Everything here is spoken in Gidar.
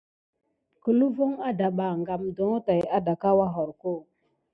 Kihule von adaba kam ɗoŋho tät adanka wuyarko.